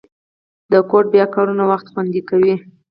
د کوډ بیا کارونه وخت خوندي کوي.